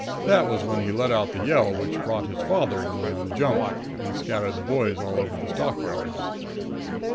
That was when he let out the yell which brought his father and me on the jump and scattered the boys all over the stock yards.